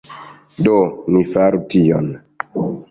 Do, ni faru tion!